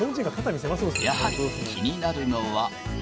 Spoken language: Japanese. やはり気になるのは。